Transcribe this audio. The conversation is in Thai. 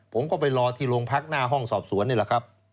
ผมก็ไปรอที่โรงพักหน้าห้องสอบสวนนี่แหละครับ